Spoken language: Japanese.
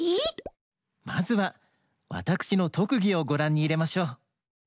まずはわたくしのとくぎをごらんにいれましょう。